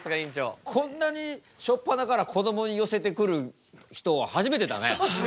こんなに初っぱなからこどもに寄せてくる人は初めてだね。